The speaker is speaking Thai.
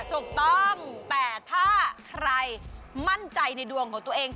ถูกต้องแต่ถ้าใครมั่นใจในดวงของตัวเอง